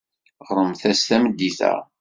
Ɣremt-as tameddit-a.